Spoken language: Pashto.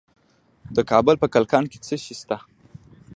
د کابل په کلکان کې څه شی شته؟